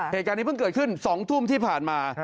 เหตุการณ์นี้เพิ่งเกิดขึ้น๒ทุ่มที่ผ่านมา